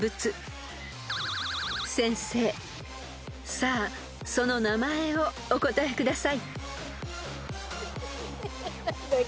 ［さあその名前をお答えください］